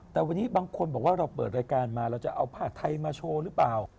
แต่วันนี้บางคนบอกว่าเราเปิดรายการมาเราจะเอาผ้าไทยมาโชว์หรือเปล่า